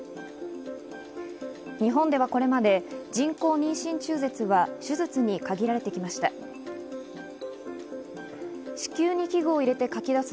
日本ではこれまで人工妊娠中絶は手術に限られてきました。